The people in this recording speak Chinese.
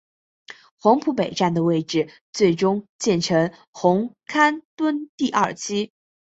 黄埔北站的位置最终建成红磡邨第二期。